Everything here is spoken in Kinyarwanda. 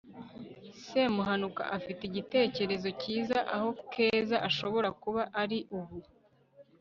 semuhanuka afite igitekerezo cyiza aho keza ashobora kuba ari ubu